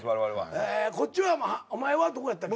こっちはお前はどこやったっけ？